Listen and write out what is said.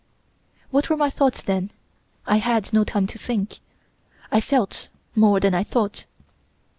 "What were my thoughts then? I had no time to think. I felt more than I thought.